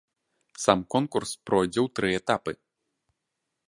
Сам конкурс пройдзе ў тры этапы.